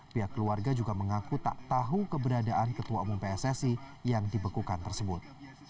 pihak keluarga juga mengaku tak tahu keberadaan ketua umum pssi yang dibekukan tersebut